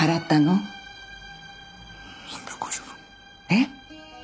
えっ！？